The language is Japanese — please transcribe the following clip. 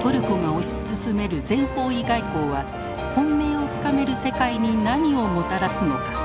トルコが推し進める全方位外交は混迷を深める世界に何をもたらすのか。